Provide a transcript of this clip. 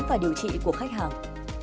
và điều trị của khách hàng